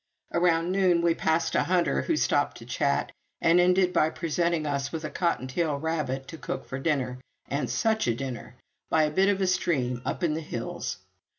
Around noon we passed a hunter, who stopped to chat, and ended by presenting us with a cotton tail rabbit to cook for dinner. And such a dinner! by a bit of a stream up in the hills.